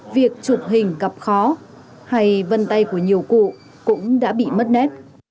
việc chụp hình gặp khó hay vân tay của nhiều cụ cũng đã bị mất nét